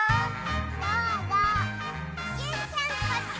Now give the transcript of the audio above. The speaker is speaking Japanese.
どうぞジュンちゃんこっち！